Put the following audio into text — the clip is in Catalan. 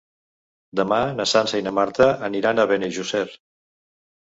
Demà na Sança i na Marta aniran a Benejússer.